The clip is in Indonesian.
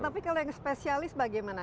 tapi kalau yang spesialis bagaimana